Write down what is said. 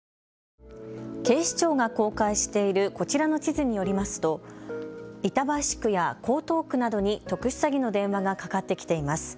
警視庁が公開しているこちらの地図によりますと板橋区や江東区などに特殊詐欺の電話がかかってきています。